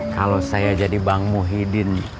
kalau saya jadi bang muhyiddin